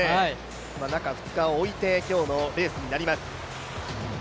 中２日置いて、今日のレースになります。